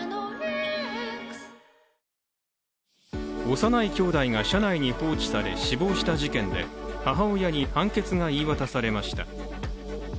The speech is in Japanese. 幼いきょうだいが車内に放置され死亡した事件で、母親に判決が言い渡されました。